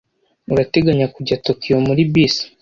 Urateganya kujya Tokiyo muri bisi?